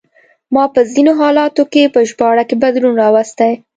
ما په ځینو حالتونو کې په ژباړه کې بدلون راوستی.